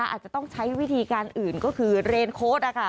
อาจจะต้องใช้วิธีการอื่นก็คือเรนโค้ดนะคะ